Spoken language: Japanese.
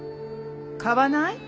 買わない？